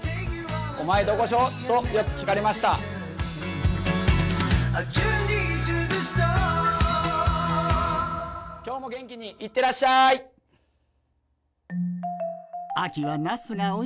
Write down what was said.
お前、どこ小？とよく聞かれました今日も元気にいってらっしゃい。